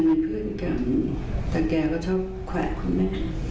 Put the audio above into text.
อย่างในพฤติกรรมแต่แกก็ชอบแขวนคุณแม่